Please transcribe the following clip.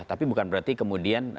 tapi bukan berarti kemudian